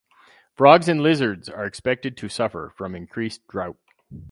Frogs and lizards are expected to suffer from increased drought.